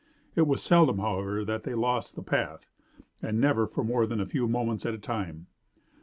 It was seldom, however, that they lost the path, and never for more than a few moments at a time.